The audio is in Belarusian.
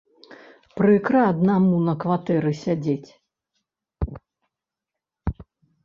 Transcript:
Прыкра аднаму на кватэры сядзець.